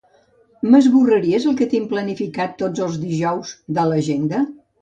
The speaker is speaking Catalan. M'esborraries el que tinc planificat tots els dijous de l'agenda?